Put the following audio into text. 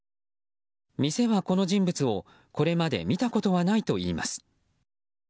店はこの人物を、これまで見たことはないといいます。